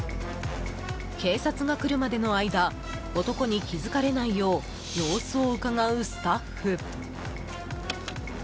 警察が来るまでの間男に気づかれないよう様子をうかがうスタッフ。